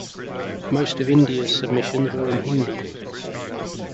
Most of India's submissions were in Hindi.